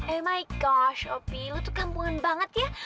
oh my gosh opi lo tuh kampungan banget ya